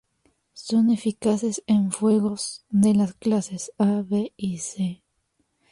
Son eficaces en fuegos de las clases A, B y C,